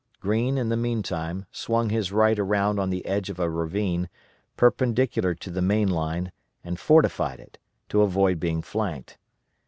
Greene, in the meantime, swung his right around on the edge of a ravine, perpendicular to the main line and fortified it, to avoid being flanked.